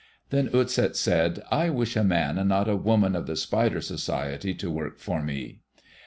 Then Utset said, "I wish a man and not a woman of the Spider society to work for me."